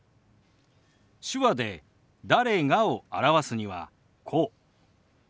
手話で「誰が」を表すにはこう。